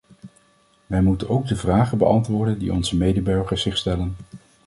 Wij moeten ook de vragen beantwoorden die onze medeburgers zich stellen.